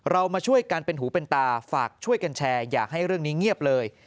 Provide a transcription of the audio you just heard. มาช่วยกันเป็นหูเป็นตาฝากช่วยกันแชร์อย่าให้เรื่องนี้เงียบเลย